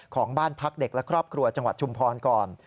ของบ้านพักเด็กและครอบครัวจังหวัดชุมพรก่อน